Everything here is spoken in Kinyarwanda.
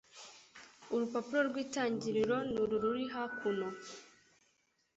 Urupapuro rw'itangiriro n'uru ruri hakuno